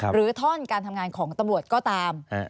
ท่อนการทำงานของตำรวจก็ตาม